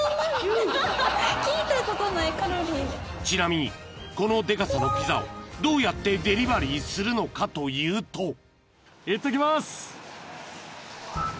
［ちなみにこのデカさのピザをどうやってデリバリーするのかというと］